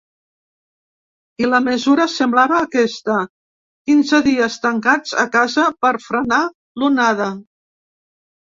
I la mesura semblava aquesta: quinze dies tancats a casa per frenar l’onada.